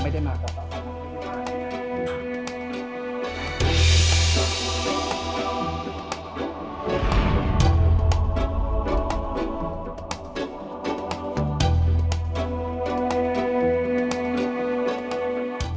ไม่ได้มาก่อน